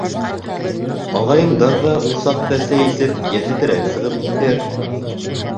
Ағайыңдар ҙа ул саҡта сәй эсеп йәһәтерәк сығып китер.